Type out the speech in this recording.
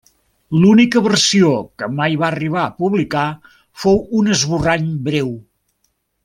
L'única versió que mai va arribar a publicar fou un esborrany breu.